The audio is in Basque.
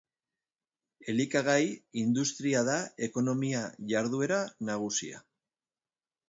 Elikagai industria da ekonomia jarduera nagusia.